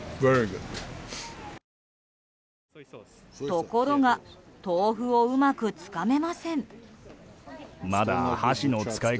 ところが豆腐をうまくつかめません。